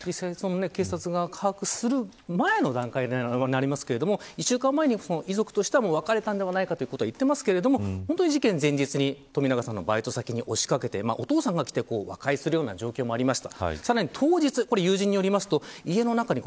警察が把握する前の段階でになりますが１週間前に遺族としては別れたのではないかと言っていますが事件前日に冨永さんのバイト先におしかけてお父さんと和解するような状況がありました。